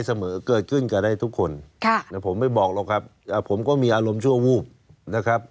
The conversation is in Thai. เกิดขึ้นกับได้ทุกคนผมไม่บอกหรอกครับผมก็มีอารมณ์ชั่ววูบนะครับ